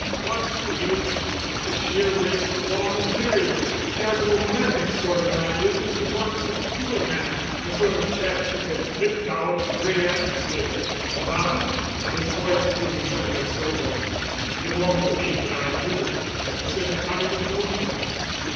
What's the use? It's a sheer waste of raw material. She has a romantic sort of an idea that she wants a poor man—the sort of chap she can lift out of a gray atmosphere. And I——" His voice grew suddenly sober. "You won't believe that I, too, had the same kind of notion."